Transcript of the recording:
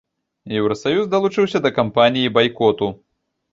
Еўрасаюз далучыўся да кампаніі байкоту.